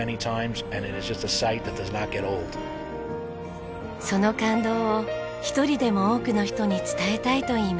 その感動を一人でも多くの人に伝えたいといいます。